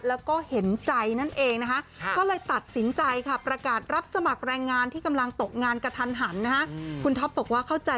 แล้วก็เห็นใจนั่นเองนะฮะ